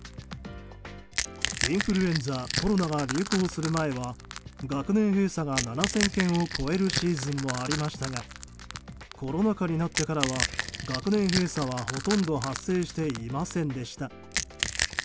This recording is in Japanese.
インフルエンザ、コロナが流行する前は学年閉鎖が７０００件を超えるシーズンもありましたがコロナ禍になってからは学年閉鎖は、ほとんど発生していませんでした。